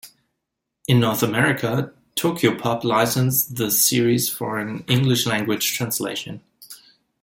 In North America, Tokyopop licensed the series for an English-language translation.